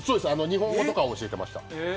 日本語とかを教えてました。